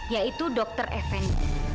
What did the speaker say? yaitu dokter effendi